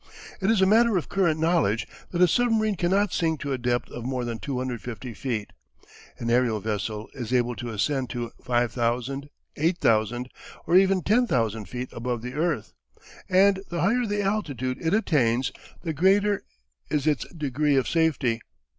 It is a matter of current knowledge that a submarine cannot sink to a depth of more than 250 feet: an aerial vessel is able to ascend to 5,000, 8,000, or even 10,000 feet above the earth, and the higher the altitude it attains the greater is its degree of safety.